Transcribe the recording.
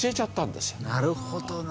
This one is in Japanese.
なるほどな！